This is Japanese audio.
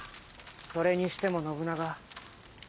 それにしても信長。